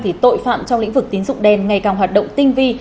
thì tội phạm trong lĩnh vực tín dụng đen ngày càng hoạt động tinh vi